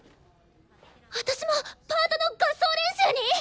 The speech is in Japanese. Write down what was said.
私もパートの合奏練習に！？